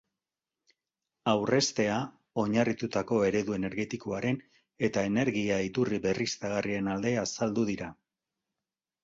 Aurreztea oinarritutako eredu energetikoaren eta energia-iturri berriztagarrien alde azaldu dira.